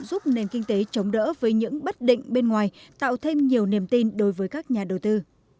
giúp nền kinh tế chống đỡ với những bất định bên ngoài tạo thêm nhiều niềm tin đối với các nhà đầu tư